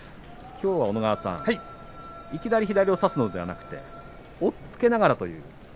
きょうはいきなり左を差すのではなくて押っつけながらという。